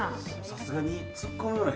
さすがに。